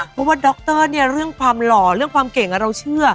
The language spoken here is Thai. เพราะว่าดรเนี่ยเรื่องความหล่อเรื่องความเก่งเราเชื่อ